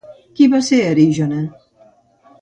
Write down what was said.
Qui va ser Erígone?